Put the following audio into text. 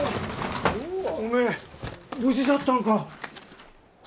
おめえ無事じゃったんか。